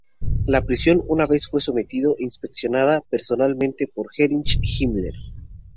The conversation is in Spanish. La prisión una vez fue sometido inspeccionada personalmente por Heinrich Himmler.